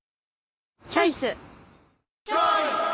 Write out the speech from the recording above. チョイス！